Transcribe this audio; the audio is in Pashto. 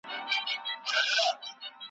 تا چي وه ویله: ځمه